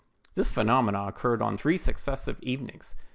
This phenomenon occurred on three successive evenings.